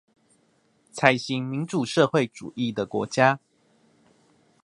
採行民主社會主義的國家